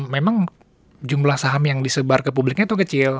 memang jumlah saham yang disebar ke publiknya itu kecil